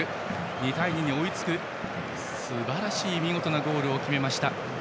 ２対２に追いつくすばらしい見事なゴールでした。